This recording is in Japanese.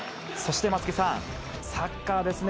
松木さん、サッカーですね